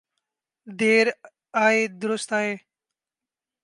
دیر آید درست آید۔